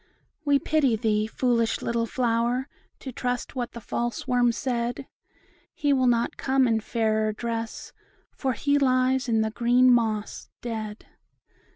We pity thee, foolish little flower, To trust what the false worm said; He will not come in a fairer dress, For he lies in the green moss dead."